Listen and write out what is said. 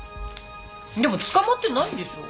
でも捕まってないんでしょ？